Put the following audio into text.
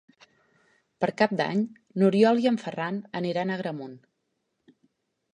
Per Cap d'Any n'Oriol i en Ferran aniran a Agramunt.